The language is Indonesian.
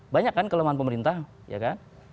banyak kan kelemahan pemerintah ya kan